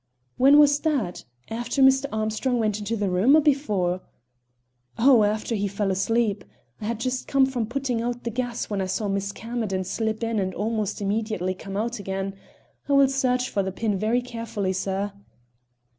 "When was that? After Mr. Armstrong went into the room, or before?" "Oh, after he fell asleep. I had just come from putting out the gas when I saw Miss Camerden slip in and almost immediately come out again. I will search for the pin very carefully, sir."